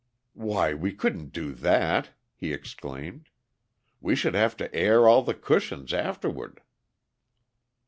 "Why, we couldn't do that!" he exclaimed; "we should have to air all the cushions afterward!"